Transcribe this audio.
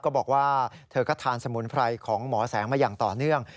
บอกว่าเธอก็ทานสมุนไพรของหมอแสงมาอย่างต่อเนื่อง